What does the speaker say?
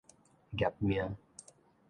業命